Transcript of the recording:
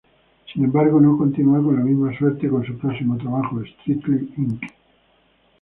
Sin embargo, no continúa con la misma suerte con su próximo trabajo, "Strictly Inc.